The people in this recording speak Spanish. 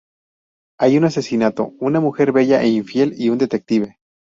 Hay un asesinato, una mujer bella e infiel y un detective.